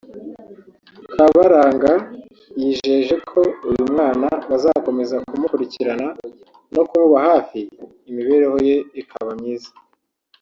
Kabaranga yijeje ko uyu mwana bazakomeza kumukurikirana no kumuba hafi imibereho ye ikaba myiza